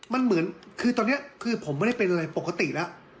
มันเหมือนคือตอนนี้คือผมไม่ได้เป็นอะไรปกติแล้ว